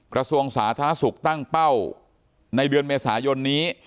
กระทรวงสาธารณสุขตั้งเป้าในเดือนเมษายนนี้